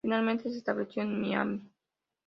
Finalmente, se estableció en Miami.